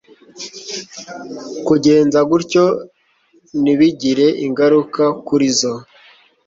kugenza gutyo ntibigire ingaruka kuri zo